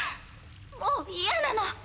もう嫌なの。